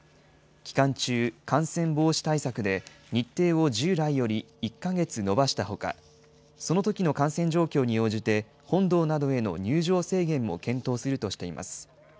期間中、感染防止対策で、日程を従来より１か月延ばしたほか、そのときの感染状況に応じて本堂などへの入場制限も検討するとしています。